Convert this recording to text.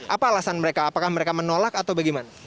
apa alasan mereka apakah mereka menolak atau bagaimana